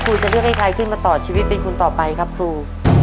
จะเลือกให้ใครขึ้นมาต่อชีวิตเป็นคนต่อไปครับครู